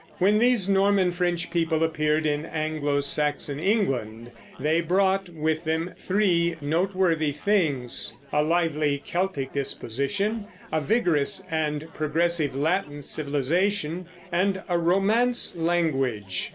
When these Norman French people appeared in Anglo Saxon England they brought with them three noteworthy things: a lively Celtic disposition, a vigorous and progressive Latin civilization, and a Romance language.